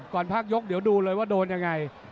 ภาคยกเดี๋ยวดูเลยว่าโดนยังไง